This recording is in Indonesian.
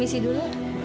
selamat ya bu